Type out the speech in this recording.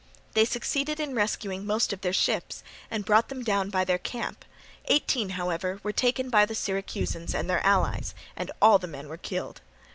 They succeeded in rescuing most of their ships and brought them down by their camp; eighteen however were taken by the Syracusans and their allies, and all the men killed.